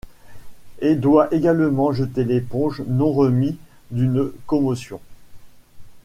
Et doit également jeter l'éponge, non remis d'une commotion.